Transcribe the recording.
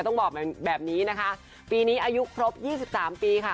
ต้องบอกแบบแบบนี้นะคะปีนี้อายุครบยี่สิบสามปีค่ะ